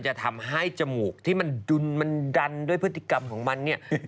จะทำให้จมูกดันด้วยพฤติกรรมของมัน